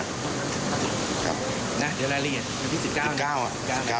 นะเดี๋ยวรายละเอียด